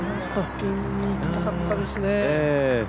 ピンにいきたかったですね。